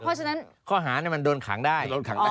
อ๋อเพราะฉะนั้นข้อหาเนี่ยมันโดนขังได้